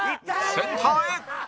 センターへ